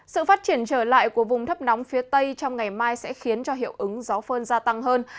sự phát triển trở lại của vùng thấp nóng phía tây trong ngày mai sẽ khiến cho hiệu ứng gió phơn gia tăng hơn